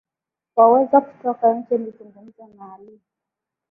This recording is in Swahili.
Waweza kutoka nje nizungumze na Ali